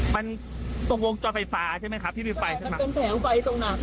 ก็ต้องถ่วงจนไฟร์ใช่มั้ยครับต้องแผนไฟด้วย